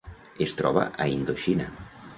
Es troba a Indoxina.